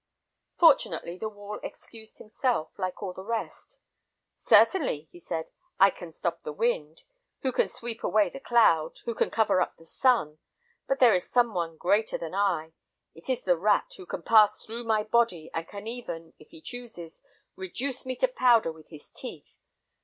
Fortunately the wall excused himself, like all the rest. "Certainly," he said, "I can stop the wind, who can sweep away the cloud, who can cover up the sun, but there is some one greater than I: it is the rat, who can pass through my body, and can even, if he chooses, reduce me to powder with his teeth.